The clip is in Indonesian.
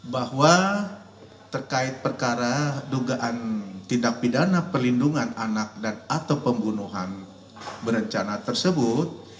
bahwa terkait perkara dugaan tindak pidana perlindungan anak dan atau pembunuhan berencana tersebut